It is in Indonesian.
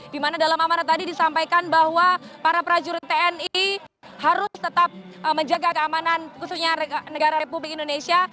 dimana dalam amanat tadi disampaikan bahwa para prajurit tni harus tetap menjaga keamanan khususnya negara republik indonesia